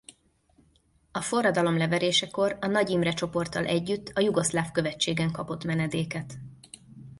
A forradalom leverésekor a Nagy Imre-csoporttal együtt a jugoszláv követségen kapott menedéket.